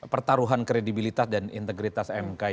pertaruhan kredibilitas dan integritas mk